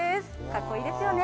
かっこいいですよね。